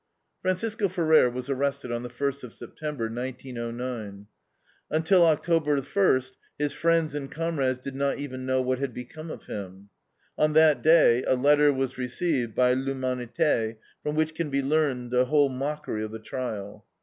Francisco Ferrer was arrested on the first of September, 1909. Until October first, his friends and comrades did not even know what had become of him. On that day a letter was received by L'HUMANITE, from which can be learned the whole mockery of the trial.